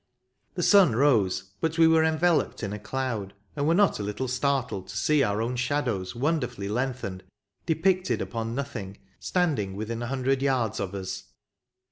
The sun rose, but we were enveloped in a cloud, and were not a little startled to see our own shadows wonderfully lengthened, depicted upon nothing, standing within a hun dred yards of us.